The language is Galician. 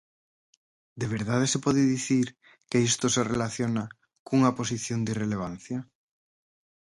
¿De verdade se pode dicir que isto se relaciona cunha posición de irrelevancia?